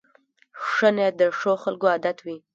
ښه نیت د ښو خلکو عادت وي.